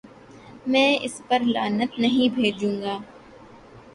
میں اس پر لعنت نہیں بھیجوں گا۔